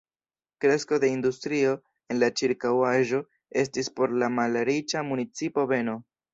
Kresko de industrio en la ĉirkaŭaĵo estis por la malriĉa municipo beno.